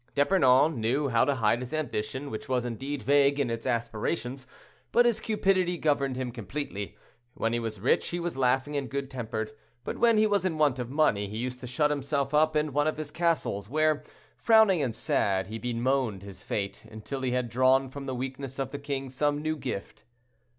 D'Epernon knew how to hide his ambition, which was indeed vague in its aspirations; but his cupidity governed him completely. When he was rich, he was laughing and good tempered; but when he was in want of money, he used to shut himself up in one of his castles, where, frowning and sad, he bemoaned his fate, until he had drawn from the weakness of the king some new gift.